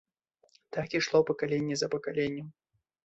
Так ішло пакаленне за пакаленнем.